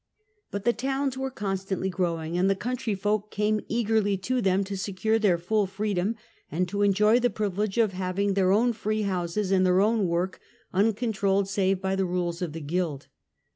But the towns were constantly growing, and the country folk came eagerly to them to secure their full freedom, and to enjoy the privilege of having their own free houses and their own work uncontrolled save by the rules of the guild.